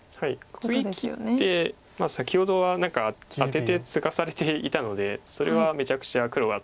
次切って先ほどは何かアテてツガされていたのでそれはめちゃくちゃ黒が得してるんですけど。